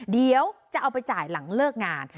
เดี๋ยวจะเอาไปจ่ายหลังเลิกงาน